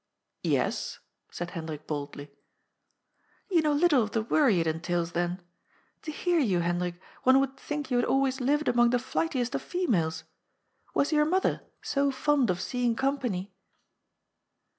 " Yes," said Hendrik boldly." " You know little of the worry it entails, then. To hear you, Hendrik, one would think you had always lived among the flightiest of females. Was your mother so fond of see ing company?"